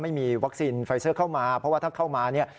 ไม่มีวัคซีนไฟเซอร์เข้ามาเพราะว่าถ้าเข้ามาเนี่ย